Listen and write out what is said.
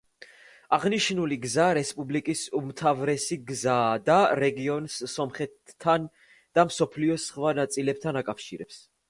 აღნიშნული გზა რესპუბლიკის უმთავრესი გზაა და რეგიონს სომხეთთან და მსოფლიოს სხვა ნაწილებთან აკავშირებს.